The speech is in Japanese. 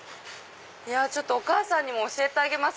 お母さんにも教えてあげます。